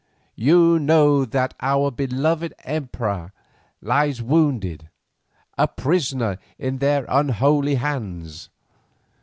You know that our beloved emperor lies wounded, a prisoner in their unholy hands.